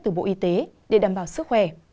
từ bộ y tế để đảm bảo sức khỏe